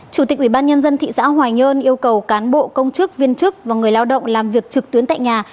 chủ tịch ủy ban nhân dân thị xã hoài nhơn yêu cầu cán bộ công chức viên chức và người lao động làm việc trực tuyến tại nhà